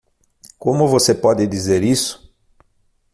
Como você pode dizer isso?